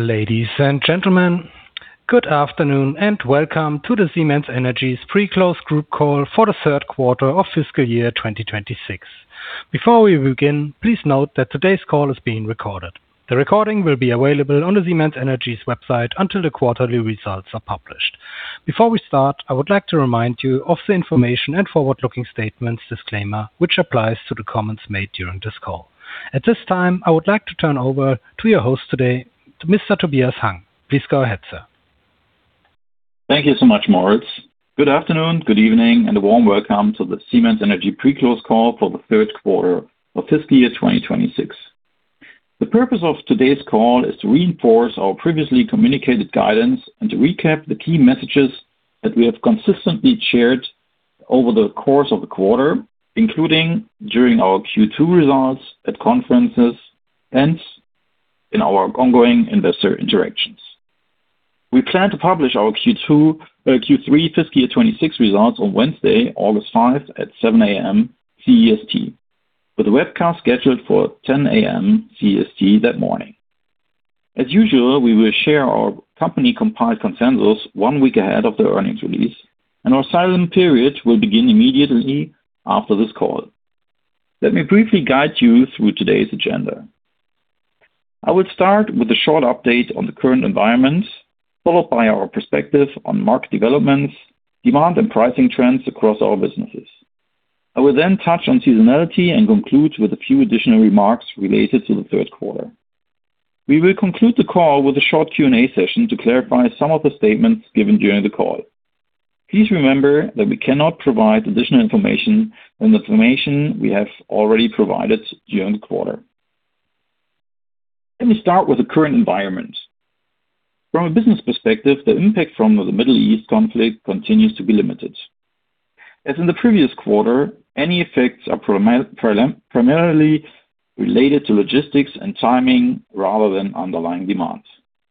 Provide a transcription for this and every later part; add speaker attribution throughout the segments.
Speaker 1: Ladies and gentlemen, good afternoon and welcome to the Siemens Energy's pre-close group call for the third quarter of fiscal year 2026. Before we begin, please note that today's call is being recorded. The recording will be available on the Siemens Energy's website until the quarterly results are published. Before we start, I would like to remind you of the information and forward-looking statements disclaimer, which applies to the comments made during this call. At this time, I would like to turn over to your host today, to Mr. Tobias Hang. Please go ahead, sir.
Speaker 2: Thank you so much, Moritz. Good afternoon, good evening, and a warm welcome to the Siemens Energy pre-close call for the third quarter of fiscal year 2026. The purpose of today's call is to reinforce our previously communicated guidance and to recap the key messages that we have consistently shared over the course of the quarter, including during our Q2 results, at conferences, and in our ongoing investor interactions. We plan to publish our Q3 fiscal year 2026 results on Wednesday, August 5, at 7:00 A.M. CST, with a webcast scheduled for 10:00 A.M. CST that morning. As usual, we will share our company-compiled consensus one week ahead of the earnings release. Our silent period will begin immediately after this call. Let me briefly guide you through today's agenda. I will start with a short update on the current environment, followed by our perspective on market developments, demand, and pricing trends across our businesses. I will then touch on seasonality and conclude with a few additional remarks related to the third quarter. We will conclude the call with a short Q&A session to clarify some of the statements given during the call. Please remember that we cannot provide additional information than the information we have already provided during the quarter. Let me start with the current environment. From a business perspective, the impact from the Middle East conflict continues to be limited. As in the previous quarter, any effects are primarily related to logistics and timing rather than underlying demand,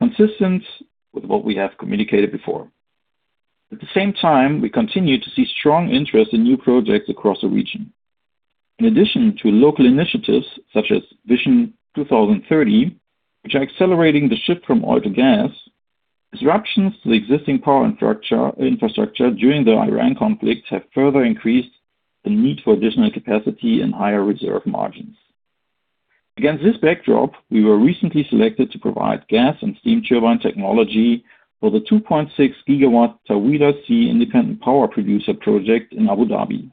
Speaker 2: consistent with what we have communicated before. At the same time, we continue to see strong interest in new projects across the region. In addition to local initiatives such as Vision 2030, which are accelerating the shift from oil to gas, disruptions to the existing power infrastructure during the Iran conflict have further increased the need for additional capacity and higher reserve margins. Against this backdrop, we were recently selected to provide gas and steam turbine technology for the 2.6 GW Taweelah C independent power producer project in Abu Dhabi,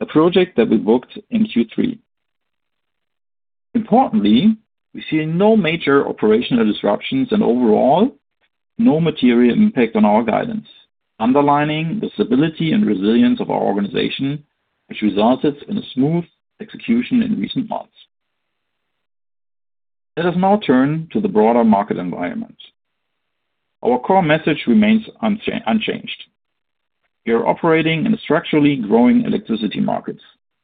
Speaker 2: a project that we booked in Q3. Importantly, we see no major operational disruptions and overall, no material impact on our guidance, underlining the stability and resilience of our organization, which resulted in a smooth execution in recent months. Let us now turn to the broader market environment. Our core message remains unchanged. We are operating in a structurally growing electricity market,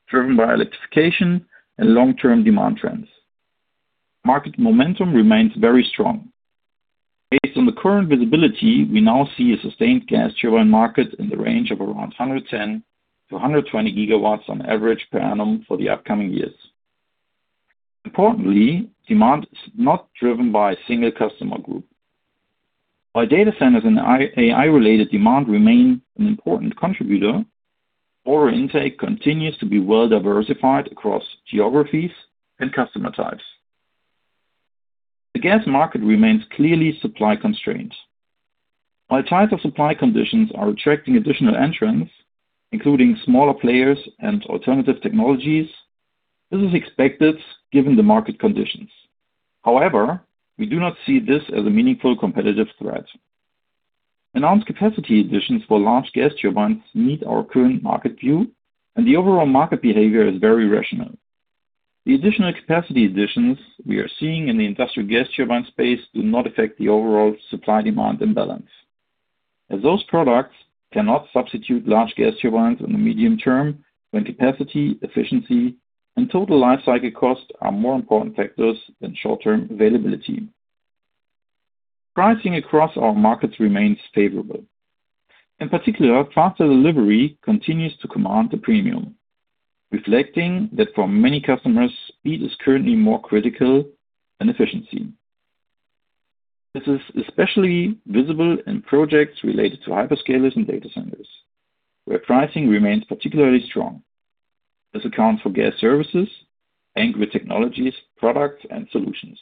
Speaker 2: driven by electrification and long-term demand trends. Market momentum remains very strong. Based on the current visibility, we now see a sustained gas turbine market in the range of around 110-120 GW on average per annum for the upcoming years. Importantly, demand is not driven by a single customer group. While data centers and AI-related demand remain an important contributor, order intake continues to be well diversified across geographies and customer types. The gas market remains clearly supply-constrained. While tighter supply conditions are attracting additional entrants, including smaller players and alternative technologies, this is expected given the market conditions. However, we do not see this as a meaningful competitive threat. Enhanced capacity additions for large gas turbines meet our current market view, and the overall market behavior is very rational. The additional capacity additions we are seeing in the industrial gas turbine space do not affect the overall supply-demand imbalance as those products cannot substitute large gas turbines in the medium term when capacity, efficiency, and total lifecycle costs are more important factors than short-term availability. Pricing across our markets remains favorable. In particular, faster delivery continues to command a premium, reflecting that for many customers, speed is currently more critical than efficiency. This is especially visible in projects related to hyperscalers and data centers, where pricing remains particularly strong. This accounts for Gas Services and Grid Technologies products and solutions.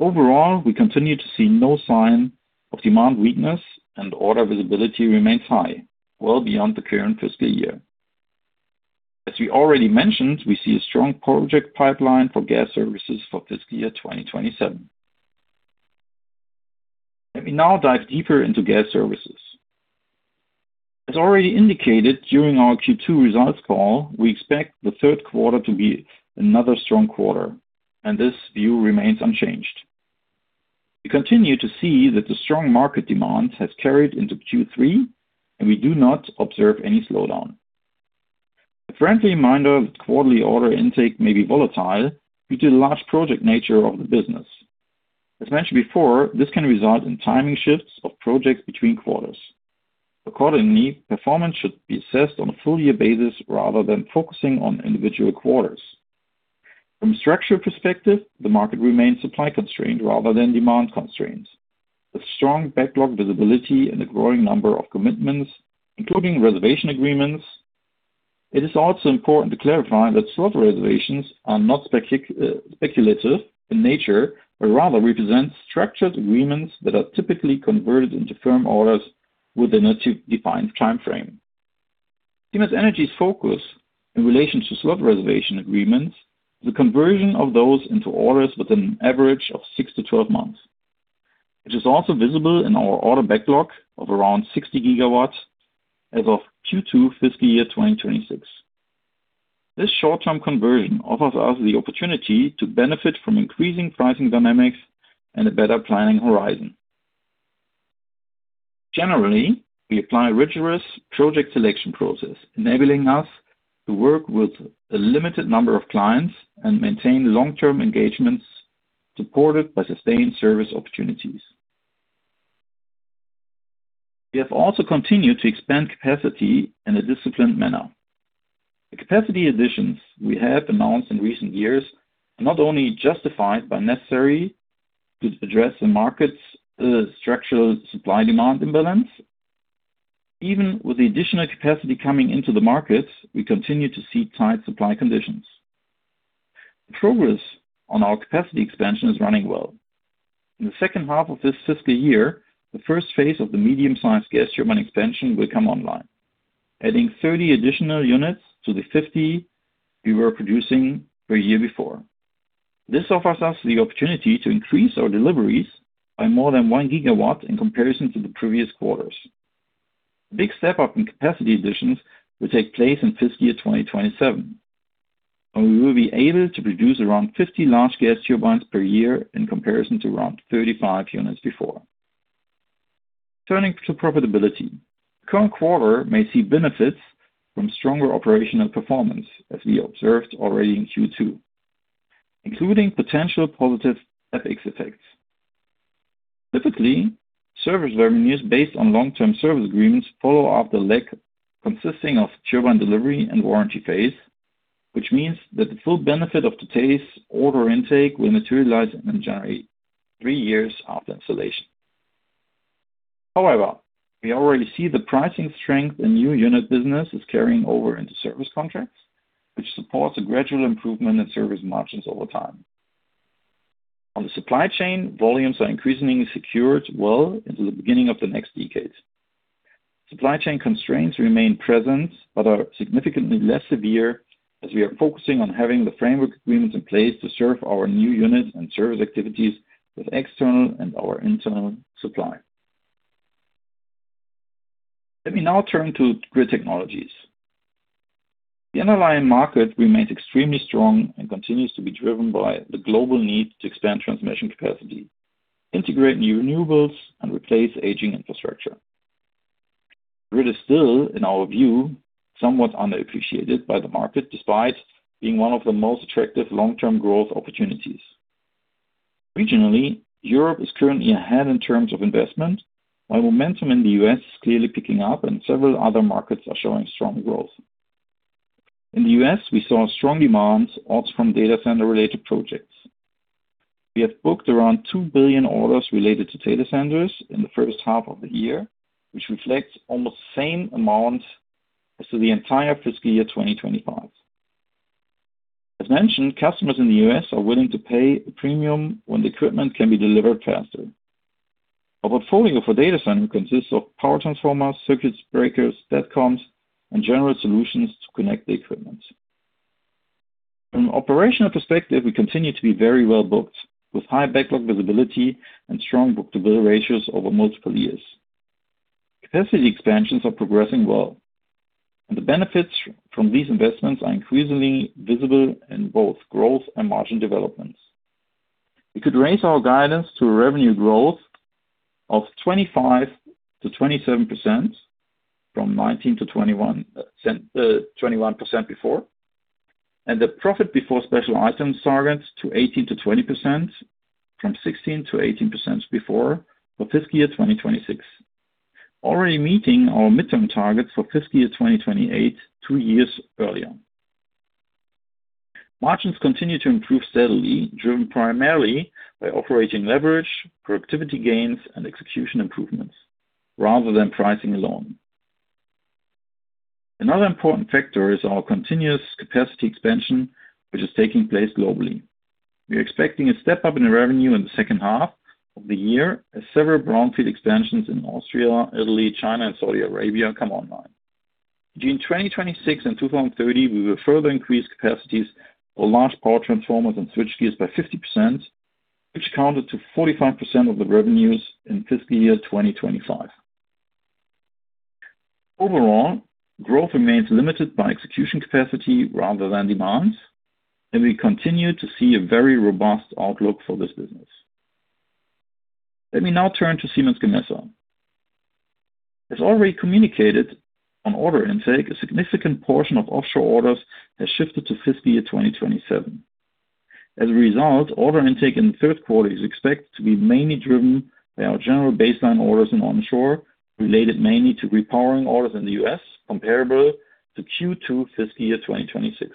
Speaker 2: Overall, we continue to see no sign of demand weakness, and order visibility remains high, well beyond the current fiscal year. As we already mentioned, we see a strong project pipeline for Gas Services for fiscal year 2027. Let me now dive deeper into Gas Services. As already indicated during our Q2 results call, we expect the third quarter to be another strong quarter, and this view remains unchanged. We continue to see that the strong market demand has carried into Q3, and we do not observe any slowdown. A friendly reminder that quarterly order intake may be volatile due to the large project nature of the business. As mentioned before, this can result in timing shifts of projects between quarters. Accordingly, performance should be assessed on a full year basis rather than focusing on individual quarters. From a structural perspective, the market remains supply-constrained rather than demand-constrained, with strong backlog visibility and a growing number of commitments, including reservation agreements. It is also important to clarify that slot reservations are not speculative in nature, but rather represent structured agreements that are typically converted into firm orders within a defined timeframe. Siemens Energy's focus in relation to slot reservation agreements is the conversion of those into orders within an average of 6-12 months. It is also visible in our order backlog of around 60 GW as of Q2 fiscal year 2026. This short-term conversion offers us the opportunity to benefit from increasing pricing dynamics and a better planning horizon. Generally, we apply rigorous project selection process, enabling us to work with a limited number of clients and maintain long-term engagements supported by sustained service opportunities. We have also continued to expand capacity in a disciplined manner. The capacity additions we have announced in recent years are not only justified but necessary to address the market's structural supply-demand imbalance. Even with the additional capacity coming into the market, we continue to see tight supply conditions. The progress on our capacity expansion is running well. In the second half of this fiscal year, the first phase of the medium-sized gas turbine expansion will come online, adding 30 additional units to the 50 we were producing per year before. This offers us the opportunity to increase our deliveries by more than 1 GW in comparison to the previous quarters. Big step-up in capacity additions will take place in fiscal year 2027, and we will be able to produce around 50 large gas turbines per year in comparison to around 35 units before. Turning to profitability. Current quarter may see benefits from stronger operational performance, as we observed already in Q2, including potential positive FX effects. Typically, service revenues based on long-term service agreements follow after a lag consisting of turbine delivery and warranty phase, which means that the full benefit of today's order intake will materialize and generate three years after installation. We already see the pricing strength in new unit business is carrying over into service contracts, which supports a gradual improvement in service margins over time. On the supply chain, volumes are increasingly secured well into the beginning of the next decades. Supply chain constraints remain present but are significantly less severe as we are focusing on having the framework agreements in place to serve our new units and service activities with external and our internal supply. Let me now turn to Grid Technologies. The underlying market remains extremely strong and continues to be driven by the global need to expand transmission capacity, integrate new renewables, replace aging infrastructure. Grid is still, in our view, somewhat underappreciated by the market despite being one of the most attractive long-term growth opportunities. Regionally, Europe is currently ahead in terms of investment, while momentum in the U.S. is clearly picking up and several other markets are showing strong growth. In the U.S., we saw strong demand, also from data center-related projects. We have booked around 2 billion orders related to data centers in the first half of the year, which reflects almost same amount as to the entire fiscal year 2025. As mentioned, customers in the U.S. are willing to pay a premium when the equipment can be delivered faster. Our portfolio for data center consists of power transformers, circuits, breakers, STATCOMs, and general solutions to connect the equipment. From an operational perspective, we continue to be very well-booked, with high backlog visibility and strong book-to-bill ratios over multiple years. Capacity expansions are progressing well, and the benefits from these investments are increasingly visible in both growth and margin developments. We could raise our guidance to a revenue growth of 25%-27%, from 19%-21% before, and the profit before special items targets to 18%-20%, from 16%-18% before, for fiscal year 2026. Already meeting our midterm targets for fiscal year 2028 two years earlier. Margins continue to improve steadily, driven primarily by operating leverage, productivity gains, and execution improvements rather than pricing alone. Another important factor is our continuous capacity expansion, which is taking place globally. We are expecting a step-up in the revenue in the second half of the year as several brownfield expansions in Austria, Italy, China, and Saudi Arabia come online. Between 2026 and 2030, we will further increase capacities for large power transformers and switchgears by 50%, which counted to 45% of the revenues in fiscal year 2025. Overall, growth remains limited by execution capacity rather than demand, and we continue to see a very robust outlook for this business. Let me now turn to Siemens Gamesa. As already communicated on order intake, a significant portion of offshore orders has shifted to fiscal year 2027. As a result, order intake in the third quarter is expected to be mainly driven by our general baseline orders in onshore, related mainly to repowering orders in the U.S., comparable to Q2 fiscal year 2026.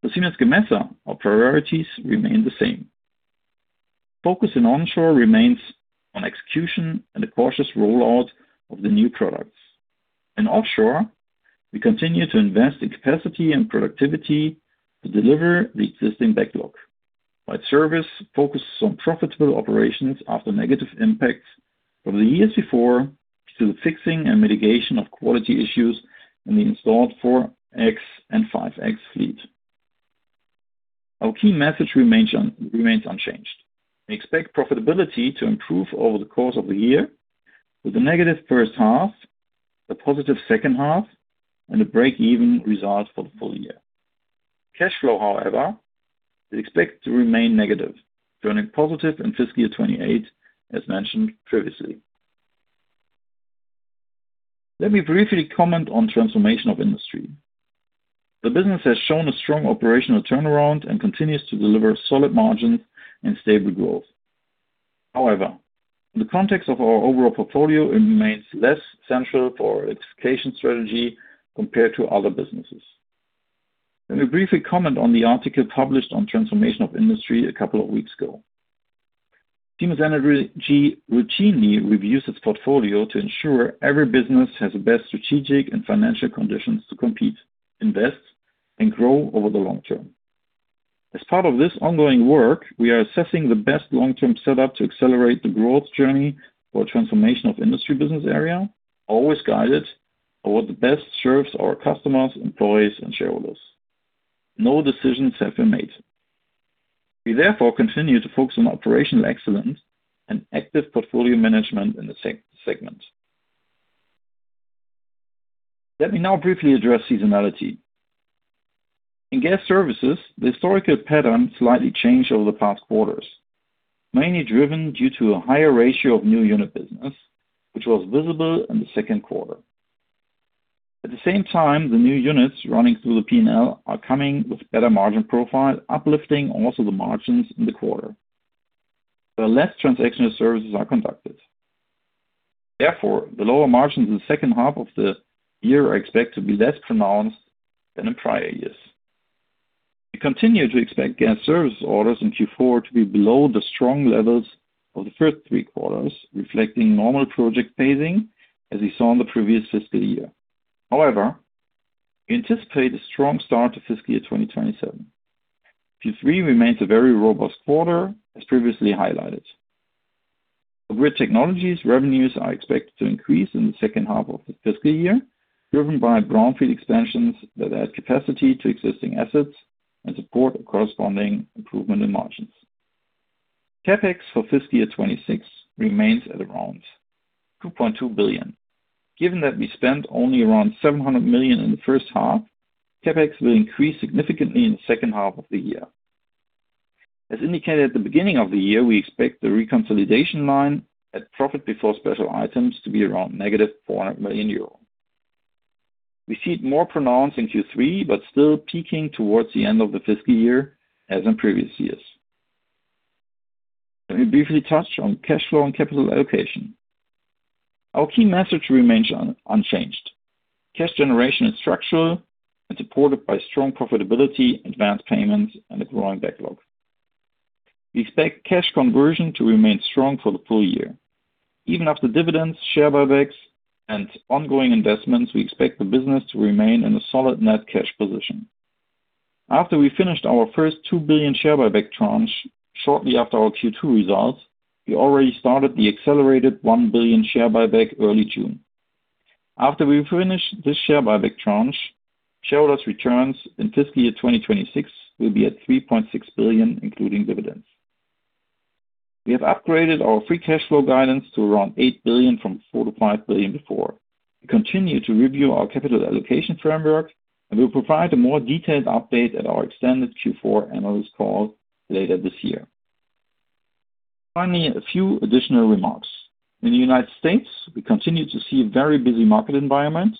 Speaker 2: For Siemens Gamesa, our priorities remain the same. Focus in onshore remains on execution and a cautious rollout of the new products. In offshore, we continue to invest in capacity and productivity to deliver the existing backlog, while service focuses on profitable operations after negative impacts from the years before due to fixing and mitigation of quality issues in the installed 4x and 5x fleet. Our key message remains unchanged. We expect profitability to improve over the course of the year, with a negative first half, a positive second half, and a break-even result for the full year. Cash flow, however, is expected to remain negative, turning positive in fiscal year 2028, as mentioned previously. Let me briefly comment on Transformation of Industry. The business has shown a strong operational turnaround and continues to deliver solid margins and stable growth. However, in the context of our overall portfolio, it remains less central for our electrification strategy compared to other businesses. Let me briefly comment on the article published on Transformation of Industry a couple of weeks ago. Siemens Energy routinely reviews its portfolio to ensure every business has the best strategic and financial conditions to compete, invest, and grow over the long term. As part of this ongoing work, we are assessing the best long-term setup to accelerate the growth journey for Transformation of Industry business area, always guided by what best serves our customers, employees, and shareholders. No decisions have been made. We therefore continue to focus on operational excellence and active portfolio management in the segment. Let me now briefly address seasonality. In Gas Services, the historical pattern slightly changed over the past quarters, mainly driven due to a higher ratio of new unit business, which was visible in the second quarter. At the same time, the new units running through the P&L are coming with better margin profile, uplifting also the margins in the quarter. The less transactional services are conducted. Therefore, the lower margins in the second half of the year are expected to be less pronounced than in prior years. We continue to expect Gas Services orders in Q4 to be below the strong levels of the first three quarters, reflecting normal project phasing as we saw in the previous fiscal year. However, we anticipate a strong start to fiscal year 2027. Q3 remains a very robust quarter, as previously highlighted. For Grid Technologies, revenues are expected to increase in the second half of the fiscal year, driven by brownfield expansions that add capacity to existing assets and support a corresponding improvement in margins. CapEx for fiscal year 2026 remains at around 2.2 billion. Given that we spent only around 700 million in the first half, CapEx will increase significantly in the second half of the year. As indicated at the beginning of the year, we expect the reconsolidation line at profit before special items to be around -400 million euro. We see it more pronounced in Q3, but still peaking towards the end of the fiscal year as in previous years. Let me briefly touch on cash flow and capital allocation. Our key message remains unchanged. Cash generation is structural and supported by strong profitability, advanced payments, and a growing backlog. We expect cash conversion to remain strong for the full year. Even after dividends, share buybacks, and ongoing investments, we expect the business to remain in a solid net cash position. After we finished our first 2 billion share buyback tranche shortly after our Q2 results, we already started the accelerated 1 billion share buyback early June. After we finish this share buyback tranche, shareholders' returns in fiscal year 2026 will be at 3.6 billion, including dividends. We have upgraded our free cash flow guidance to around 8 billion from 4 billion-5 billion before. We continue to review our capital allocation framework, and we will provide a more detailed update at our extended Q4 analyst call later this year. Finally, a few additional remarks. In the United States, we continue to see a very busy market environment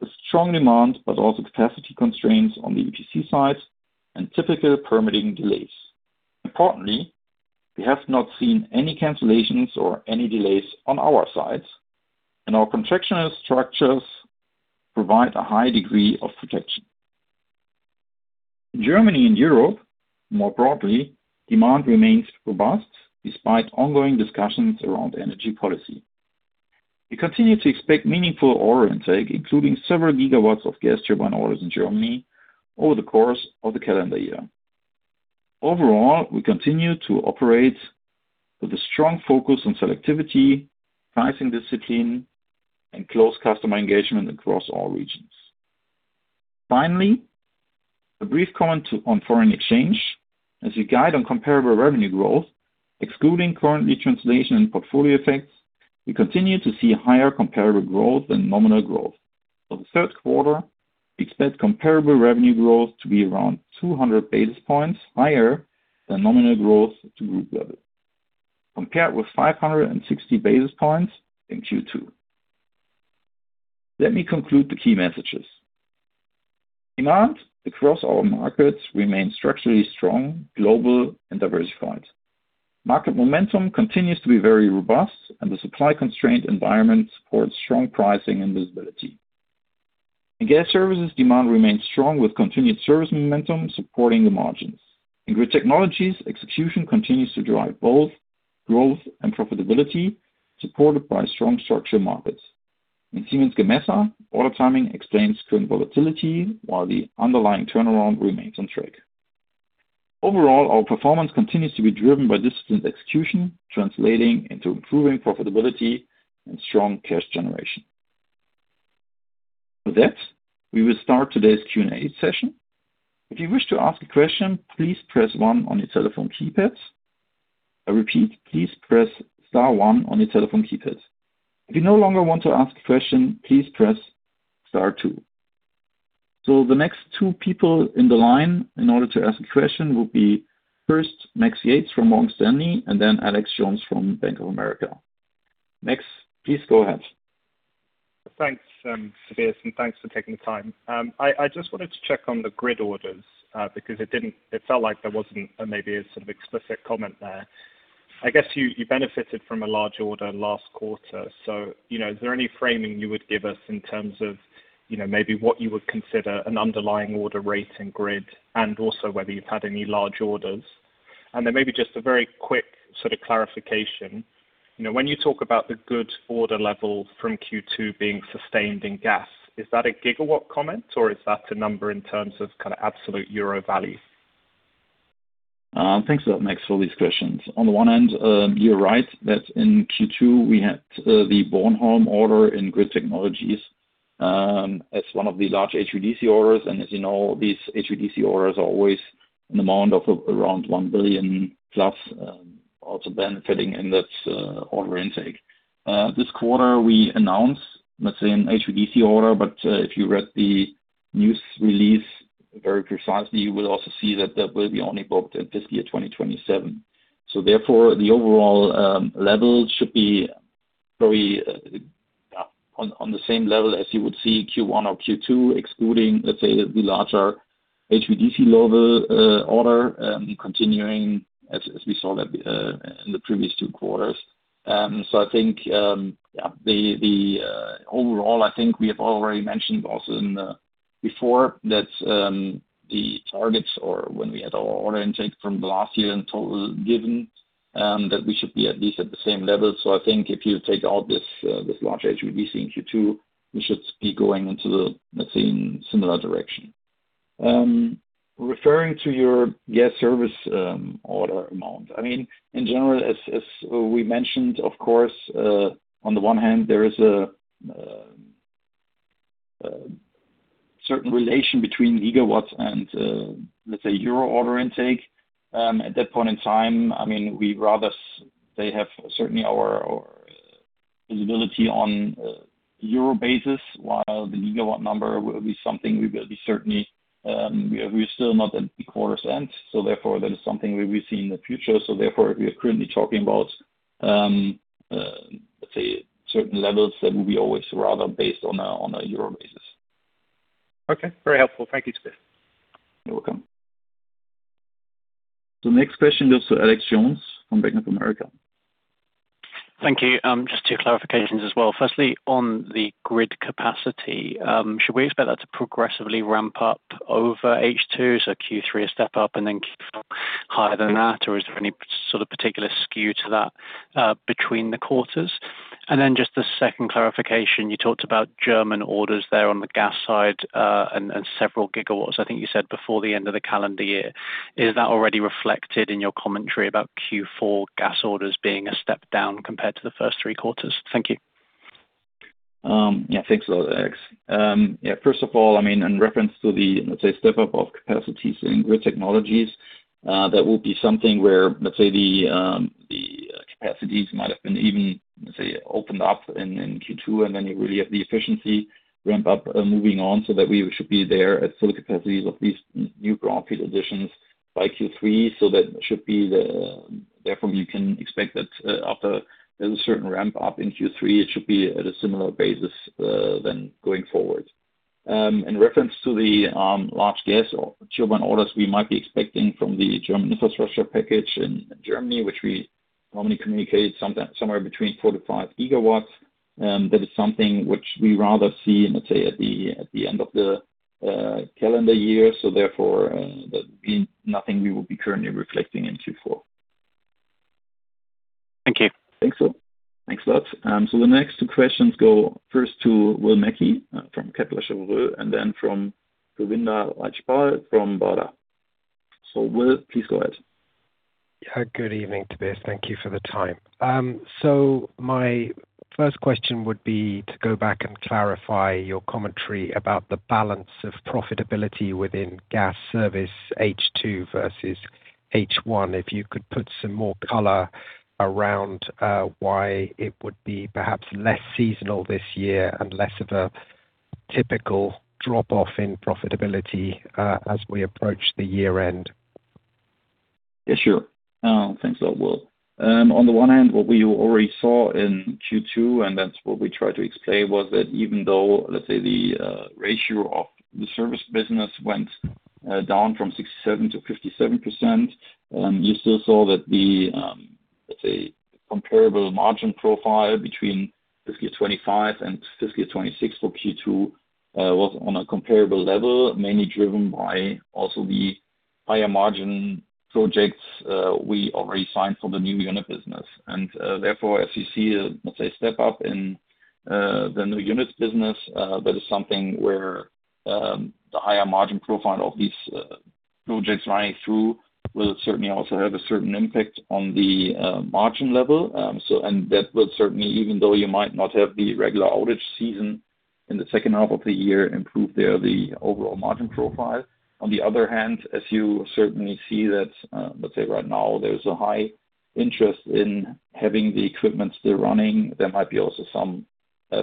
Speaker 2: with strong demand, but also capacity constraints on the EPC side and typical permitting delays. Importantly, we have not seen any cancellations or any delays on our side, and our contractual structures provide a high degree of protection. In Germany and Europe, more broadly, demand remains robust despite ongoing discussions around energy policy. We continue to expect meaningful order intake, including several gigawatts of gas turbine orders in Germany over the course of the calendar year. Overall, we continue to operate with a strong focus on selectivity, pricing discipline, and close customer engagement across all regions. Finally, a brief comment on foreign exchange. As we guide on comparable revenue growth, excluding currency translation and portfolio effects, we continue to see higher comparable growth than nominal growth. For the third quarter, we expect comparable revenue growth to be around 200 basis points higher than nominal growth to group level, compared with 560 basis points in Q2. Let me conclude the key messages. Demand across our markets remains structurally strong, global and diversified. Market momentum continues to be very robust and the supply-constrained environment supports strong pricing and visibility. In Gas Services, demand remains strong with continued service momentum supporting the margins. In Grid Technologies, execution continues to drive both growth and profitability, supported by strong structural markets. In Siemens Gamesa, order timing explains current volatility while the underlying turnaround remains on track. Overall, our performance continues to be driven by disciplined execution, translating into improving profitability and strong cash generation. With that, we will start today's Q&A session. If you wish to ask a question, please press star one on your telephone keypads. I repeat, please press star one on your telephone keypads. If you no longer want to ask a question, please press star two. The next two people in the line in order to ask a question will be first Max Yates from Morgan Stanley, and then Alex Jones from Bank of America. Max, please go ahead.
Speaker 3: Thanks, Tobias, and thanks for taking the time. I just wanted to check on the Grid orders, because it felt like there wasn't maybe a sort of explicit comment there. I guess you benefited from a large order last quarter. Is there any framing you would give us in terms of maybe what you would consider an underlying order rate in Grid, and also whether you've had any large orders? Maybe just a very quick clarification. When you talk about the good order level from Q2 being sustained in Gas, is that a gigawatt comment or is that a number in terms of absolute euro value?
Speaker 2: Thanks a lot, Max, for these questions. On the one hand, you're right that in Q2, we had the Bornholm order in Grid Technologies, as one of the large HVDC orders. As you know, these HVDC orders are always in the amount of around 1 billion+, also benefiting in that order intake. This quarter, we announced, let's say, an HVDC order, but if you read the news release very precisely, you will also see that that will be only booked in fiscal year 2027. The overall level should be probably on the same level as you would see Q1 or Q2 excluding, let's say, the larger HVDC order continuing as we saw in the previous two quarters. I think overall, I think we have already mentioned also before that the targets or when we had our order intake from last year in total, given that we should be at least at the same level. I think if you take out this large HVDC in Q2, we should be going into the, let's say, similar direction. Referring to your Gas Services order amount. In general, as we mentioned, of course, on the one hand, there is a certain relation between gigawatts and, let's say, EUR order intake. At that point in time, we have certainly our visibility on EUR basis, while the gigawatt number will be something we will be certainly. We are still not at the quarter's end, therefore, that is something we will see in the future. We are currently talking about, let's say, certain levels that will be always rather based on a EUR basis.
Speaker 3: Okay. Very helpful. Thank you, Tobias.
Speaker 2: You're welcome. The next question goes to Alex Jones from Bank of America.
Speaker 4: Thank you. Just two clarifications as well. Firstly, on the grid capacity, should we expect that to progressively ramp up over H2, Q3 a step up and then higher than that, or is there any sort of particular skew to that between the quarters? Just the second clarification, you talked about German orders there on the gas side, and several gigawatts, I think you said, before the end of the calendar year. Is that already reflected in your commentary about Q4 gas orders being a step down compared to the first three quarters? Thank you.
Speaker 2: Yeah. Thanks a lot, Alex. First of all, in reference to the, let's say, step-up of capacities in Grid Technologies, that will be something where, let's say, the capacities might have been even, let's say, opened up in Q2, you really have the efficiency ramp-up moving on so that we should be there at full capacities of these new profit additions by Q3. That should be therefore you can expect that after there's a certain ramp-up in Q3, it should be at a similar basis then going forward. In reference to the large gas turbine orders we might be expecting from the German infrastructure package in Germany, which we normally communicate somewhere between 4-5 GW. That is something which we rather see, let's say, at the end of the calendar year, therefore that would be nothing we would be currently reflecting in Q4.
Speaker 4: Thank you.
Speaker 2: Thanks a lot. The next two questions go first to Will Mackie from Kepler Cheuvreux, and then from Kulwinder Rajpal from Value. Will, please go ahead.
Speaker 5: Good evening, Tobias. Thank you for the time. My first question would be to go back and clarify your commentary about the balance of profitability within Gas Service H2 versus H1. If you could put some more color around why it would be perhaps less seasonal this year and less of a typical drop-off in profitability as we approach the year-end.
Speaker 2: Thanks a lot, Will. On the one hand, what we already saw in Q2, and that's what we tried to explain, was that even though, let's say, the ratio of the service business went down from 67% to 57%, you still saw that the comparable margin profile between fiscal 2025 and fiscal 2026 for Q2 was on a comparable level, mainly driven by also the higher margin projects we already signed for the new unit business. Therefore, as you see, let's say, a step up in the new units business, that is something where the higher margin profile of these projects running through will certainly also have a certain impact on the margin level. That will certainly, even though you might not have the regular outage season in the second half of the year, improve the overall margin profile. On the other hand, as you certainly see that, let's say right now, there's a high interest in having the equipment still running. There might be also some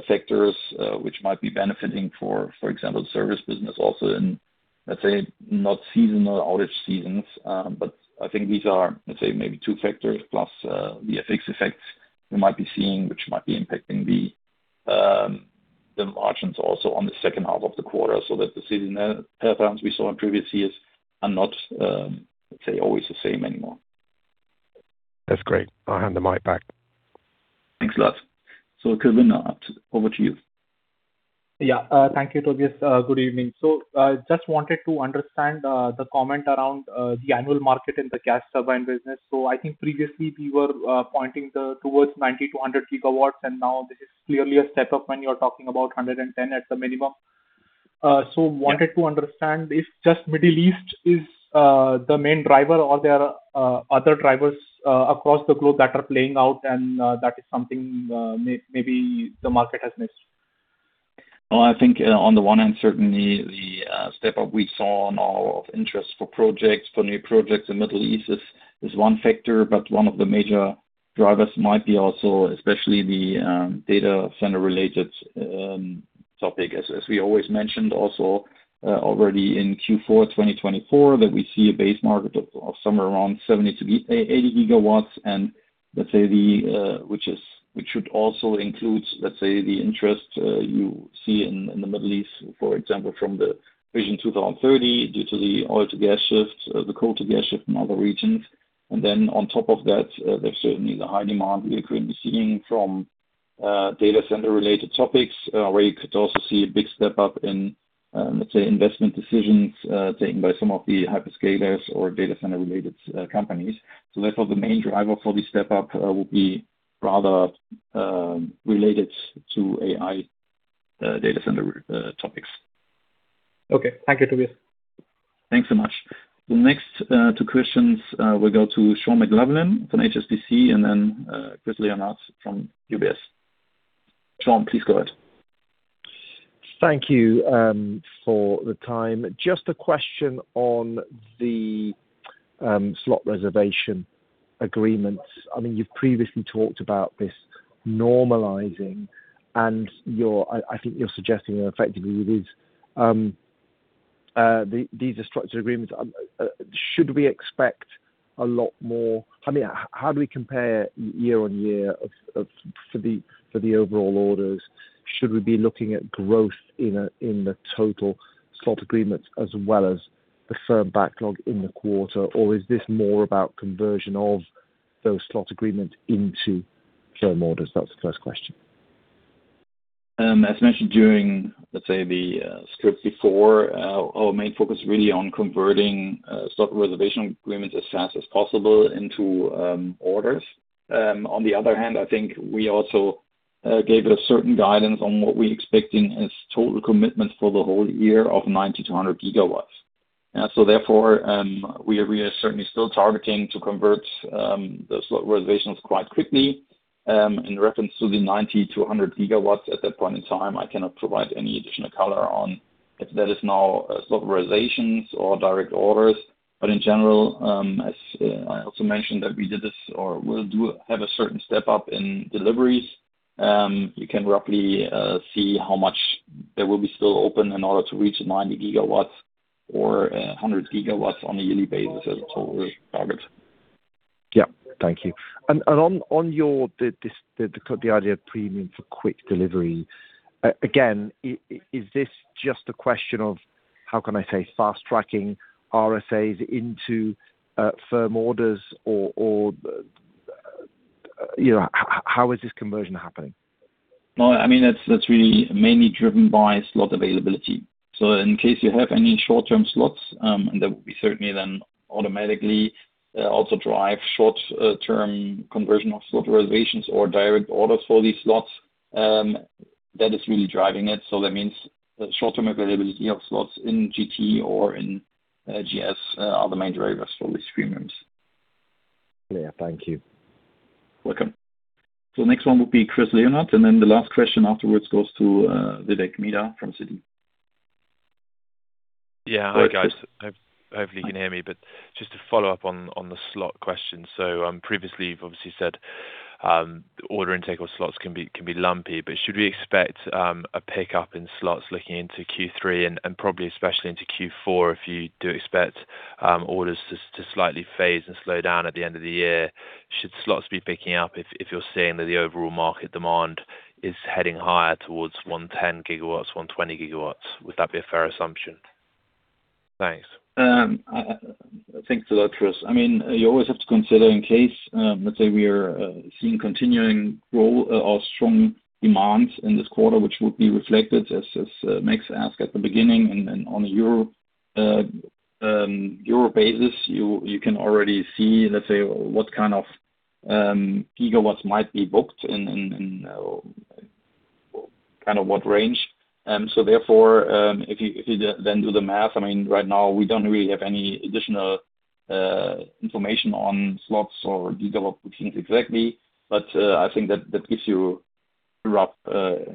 Speaker 2: factors which might be benefiting, for example, service business also in, let's say, not seasonal outage seasons. I think these are, let's say maybe two factors plus the FX effects we might be seeing, which might be impacting the margins also on the second half of the quarter, so that the season patterns we saw in previous years are not, let's say, always the same anymore.
Speaker 5: That's great. I'll hand the mic back.
Speaker 2: Thanks a lot. Kulwinder, over to you.
Speaker 6: Yeah. Thank you, Tobias. Good evening. Just wanted to understand the comment around the annual market in the gas turbine business. I think previously we were pointing towards 90-100 GW, and now this is clearly a step up when you're talking about 110 at the minimum. Wanted to understand if just Middle East is the main driver or there are other drivers across the globe that are playing out and that is something maybe the market has missed.
Speaker 2: I think on the one hand, certainly the step up we saw now of interest for new projects in Middle East is one factor, but one of the major drivers might be also especially the data center-related topic, as we always mentioned also already in Q4 2024, that we see a base market of somewhere around 70 to 80 GW, which should also include the interest you see in the Middle East, for example, from the Vision 2030, due to the oil to gas shift, the coal to gas shift in other regions. On top of that, there's certainly the high demand we are currently seeing from data center-related topics, where you could also see a big step up in, let's say, investment decisions taken by some of the hyperscalers or data center-related companies. Therefore, the main driver for this step up will be rather related to AI data center topics.
Speaker 6: Thank you, Tobias.
Speaker 2: Thanks so much. The next two questions will go to Sean McLoughlin from HSBC and then Chris Leonard from UBS. Sean, please go ahead.
Speaker 7: Thank you for the time. Just a question on the slot reservation agreements. You've previously talked about this normalizing, and I think you're suggesting that effectively these are structured agreements. How do we compare year-on-year for the overall orders? Should we be looking at growth in the total slot agreements as well as the firm backlog in the quarter? Or is this more about conversion of those slot agreements into firm orders? That's the first question.
Speaker 2: As mentioned during, let's say, the script before, our main focus really on converting slot reservation agreements as fast as possible into orders. On the other hand, I think we also gave a certain guidance on what we're expecting as total commitment for the whole year of 90-100 GW. Therefore, we are certainly still targeting to convert those slot reservations quite quickly. In reference to the 90-100 GW at that point in time, I cannot provide any additional color on if that is now slot reservations or direct orders. In general, as I also mentioned that we did this or will have a certain step up in deliveries. You can roughly see how much there will be still open in order to reach 90 GW or 100 GW on a yearly basis as a total target.
Speaker 7: Yeah. Thank you. On the idea of premium for quick delivery, again, is this just a question of, how can I say, fast-tracking RSAs into firm orders? How is this conversion happening?
Speaker 2: That's really mainly driven by slot availability. In case you have any short-term slots, that would be certainly then automatically also drive short-term conversion of slot reservations or direct orders for these slots. That is really driving it. That means short-term availability of slots in GT or in GS are the main drivers for these premiums.
Speaker 7: Thank you.
Speaker 2: Welcome. Next one will be Chris Leonard, and then the last question afterwards goes to Vivek Midha from Citi.
Speaker 8: Hi, guys. Hopefully you can hear me, just to follow up on the slot question. Previously you've obviously said order intake or slots can be lumpy, should we expect a pick up in slots looking into Q3 and probably especially into Q4 if you do expect orders to slightly phase and slow down at the end of the year? Should slots be picking up if you're saying that the overall market demand is heading higher towards 110 GW, 120 GW? Would that be a fair assumption? Thanks.
Speaker 2: Thanks for that, Chris. You always have to consider in case, let's say we are seeing continuing growth or strong demands in this quarter, which would be reflected as Max asked at the beginning, and then on a year basis, you can already see, let's say, what kind of gigawatts might be booked and what range. Therefore, if you then do the math, right now we don't really have any additional information on slots or gigawatts exactly. I think that gives you rough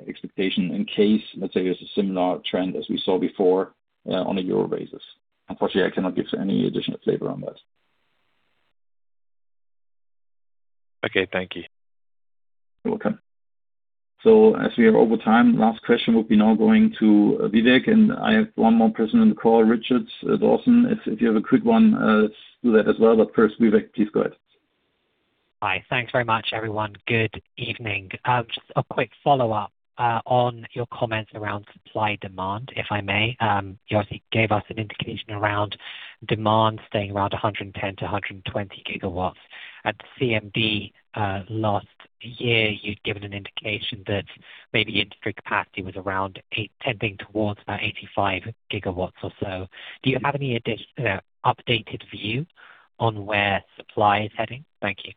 Speaker 2: expectation in case, let's say, there's a similar trend as we saw before on a year basis. Unfortunately, I cannot give any additional flavor on that.
Speaker 8: Okay. Thank you.
Speaker 2: You're welcome. As we are over time, last question will be now going to Vivek, and I have one more person on the call, Richard Dawson. If you have a quick one, let's do that as well. First, Vivek, please go ahead.
Speaker 9: Hi. Thanks very much, everyone. Good evening. Just a quick follow-up on your comments around supply demand, if I may. You obviously gave us an indication around demand staying around 110-120 GW. At CMD last year, you'd given an indication that maybe industry capacity was around tending towards about 85 GW or so. Do you have any updated view on where supply is heading? Thank you.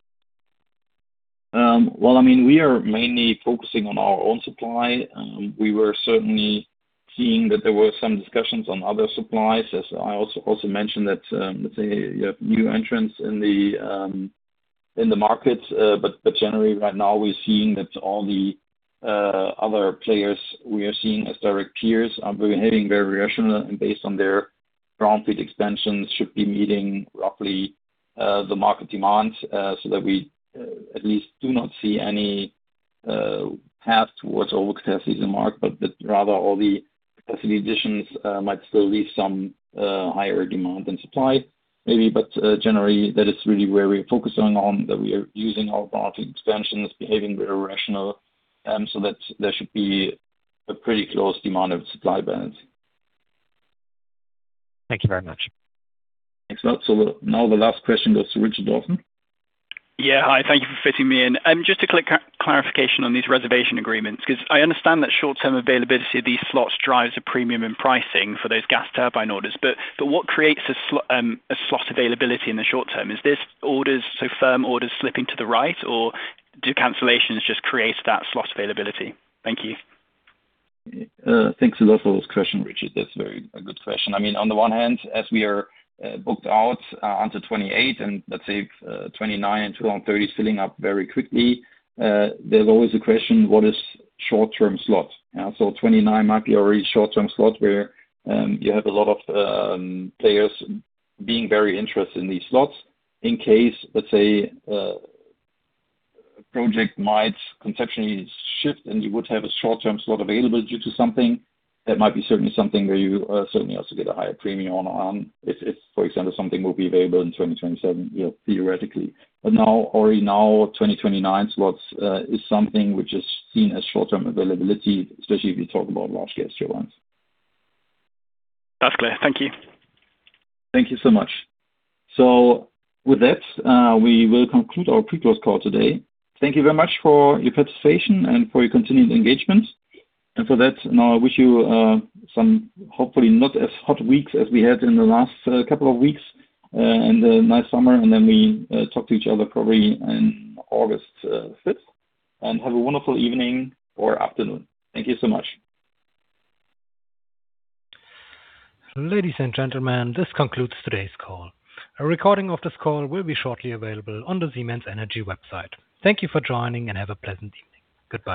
Speaker 2: Well, we are mainly focusing on our own supply. We were certainly seeing that there were some discussions on other supplies. I also mentioned that, let's say, you have new entrants in the market. Generally right now we're seeing that all the other players we are seeing as direct peers are behaving very rational and based on their brownfield extensions should be meeting roughly the market demand, so that we at least do not see any path towards an overcapacity mark, but that rather all the capacity additions might still leave some higher demand than supply, maybe. Generally, that is really where we are focusing on, that we are using our brownfield extensions, behaving very rational, so that there should be a pretty close demand of supply balance.
Speaker 9: Thank you very much.
Speaker 2: Now the last question goes to Richard Dawson.
Speaker 10: Hi. Thank you for fitting me in. I understand that short-term availability of these slots drives a premium in pricing for those gas turbine orders. What creates a slot availability in the short term? Is this orders, firm orders slipping to the right, or do cancellations just create that slot availability? Thank you.
Speaker 2: Thanks a lot for this question, Richard. That's a very good question. On the one hand, as we are booked out onto 2028, let's say 2029 and 2030 is filling up very quickly, there's always a question, what is short-term slot? 2029 might be a very short-term slot where you have a lot of players being very interested in these slots. In case, let's say, a project might conceptually shift and you would have a short-term slot available due to something, that might be certainly something where you certainly also get a higher premium on. If, for example, something will be available in 2027, theoretically. Now, already now, 2029 slots is something which is seen as short-term availability, especially if you talk about large H-class ones.
Speaker 10: That's clear. Thank you.
Speaker 2: Thank you so much. With that, we will conclude our pre-close call today. Thank you very much for your participation and for your continued engagement. For that, now I wish you some, hopefully not as hot weeks as we had in the last couple of weeks, and a nice summer, and then we talk to each other probably on August 5th. Have a wonderful evening or afternoon. Thank you so much.
Speaker 1: Ladies and gentlemen, this concludes today's call. A recording of this call will be shortly available on the Siemens Energy website. Thank you for joining, and have a pleasant evening. Goodbye